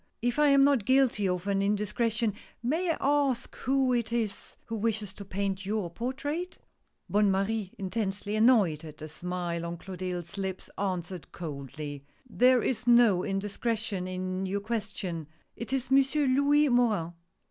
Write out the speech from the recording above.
If I am not guilty of an indiscretion, may I ask who it is who wishes to paint your portrait ?" Bonne Marie intensely annoyed at the smile on Clo tilde's lips answered coldly :" There is no indiscretion in your question — it is Monsieur Louis Morin."